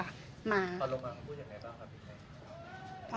เอาลงมาเขาพูดยังไงบ้างค่ะพี่